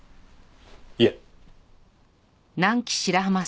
いえ。